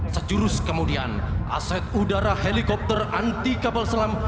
sejurus kemudian aset udara helikopter anti kapal selam